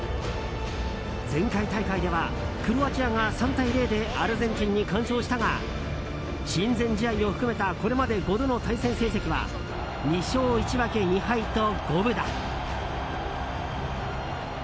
前回大会ではクロアチアが３対０でアルゼンチンに完勝したが親善試合を含めたこれまで５度の対戦成績は２勝１分け２敗と五分だ。